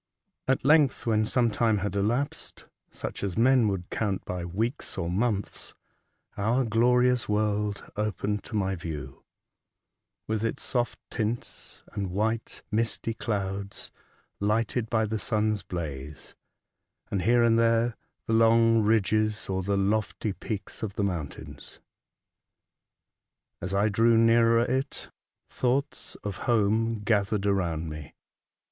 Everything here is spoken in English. At length, when some time had elapsed, such as men would count by weeks or months, our glorious world opened to my view, with its soft tints, and white, misty clouds, lighted by the sun's blaze, — and, here and there, the long ridges or the lofty peaks of the mountains. As I drew nearer it, thoughts of home gathered around me.